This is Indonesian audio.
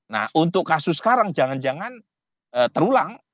nah untuk kasus sekarang jangan jangan terulang